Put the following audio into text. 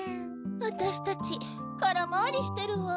ワタシたち空回りしてるわ。